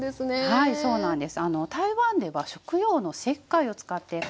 はいそうなんです。